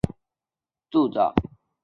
之后不久一文亦停止铸造。